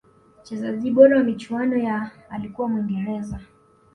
mchezaji bora wa michuano ya alikuwa mwingereza